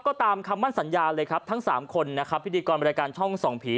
ก็ตามคำมั่นสัญญาเลยครับทั้งสามคนนะครับพิธีกรบริการช่องส่องผี